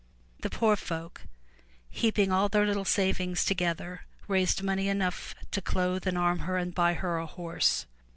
The poor folk, heaping all their little savings together, raised money enough to clothe and arm her and buy her a horse.